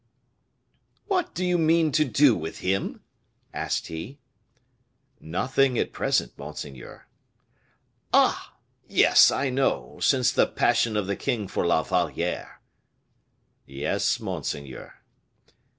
"What do you mean to do with him?" asked he. "Nothing at present, monseigneur." "Ah! yes, I know; since the passion of the king for La Valliere." "Yes, monseigneur."